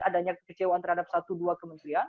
adanya kekecewaan terhadap satu dua kementerian